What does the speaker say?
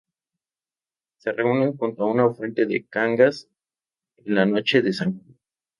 Se reúnen junto a una fuente de Cangas en la noche de San Juan.